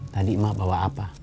tadi emak bawa apa